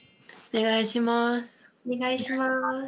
お願いします。